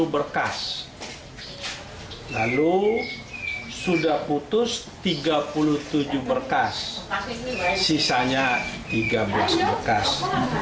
sepuluh berkas lalu sudah putus tiga puluh tujuh berkas sisanya tiga belas berkas